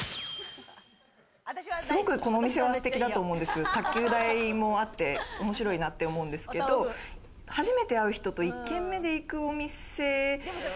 すごくこのお店はすてきだと思うんです、卓球台もあって面白いなって思うんですけど、初めて会う人と一軒目で行くお店。